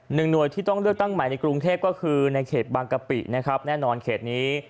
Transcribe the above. หน่วยที่ต้องเลือกตั้งใหม่ในกรุงเทพก็คือในเขตบางกะปินะครับแน่นอนเขตนี้